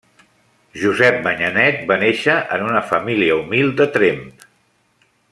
Josep Manyanet va néixer en una família humil de Tremp.